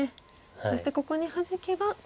そしてここにハジけばコウと。